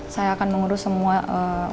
saya akan mengurus semua untuk riki